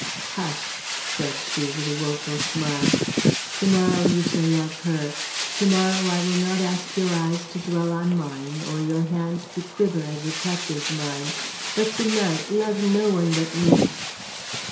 "Hush!" said she, with a woful smile. "To morrow you shall love her; to morrow I will not ask your eyes to dwell on mine or your hand to quiver as it touches mine. But to night love no one but me."